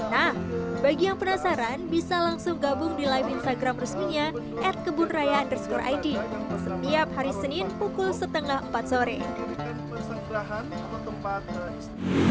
nah bagi yang penasaran bisa langsung gabung di live instagram resminya at kebun raya underscore id setiap hari senin pukul setengah empat sore